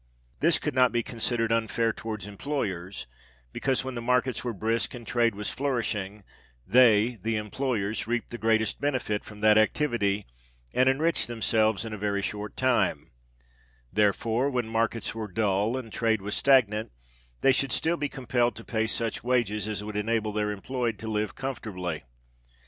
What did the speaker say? This could not be considered unfair towards employers, because when the markets were brisk and trade was flourishing, they (the employers) reaped the greatest benefit from that activity, and enriched themselves in a very short time: therefore, when markets were dull and trade was stagnant, they should still be compelled to pay such wages as would enable their employed to live comfortably.